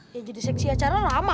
yang jadi seksi acara lama